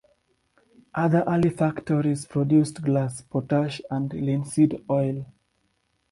Other early factories produced glass, potash and linseed oil.